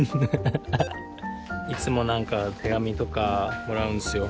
いつも何か手紙とかもらうんですよ。